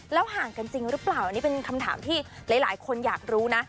ห่างกันจริงหรือเปล่าอันนี้เป็นคำถามที่หลายคนอยากรู้นะ